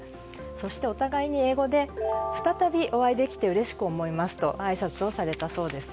そして、お互いに英語で再びお会いできてうれしく思いますとあいさつをされたそうです。